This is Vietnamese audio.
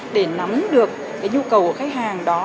để nắm được nhu cầu của khách hàng đó